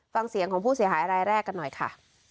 ฟังเสียงของผู้เสียหายรายแรกกันหน่อยค่ะ